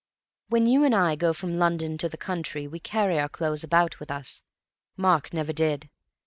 When you and I go from London to the country we carry our clothes about with us. Mark never did.